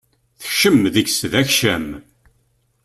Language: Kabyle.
Tekcem deg-s d akcam.